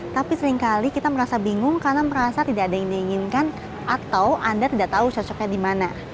tapi seringkali kita merasa bingung karena merasa tidak ada yang diinginkan atau anda tidak tahu sosoknya di mana